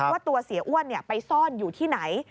ว่าตัวเสียอ้วนไปซ่อนอยู่ที่ไหน